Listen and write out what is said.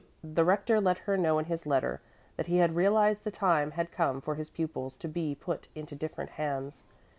The Rector let her know in his letter that he had realized the time had come for his pupils to be put into different hands.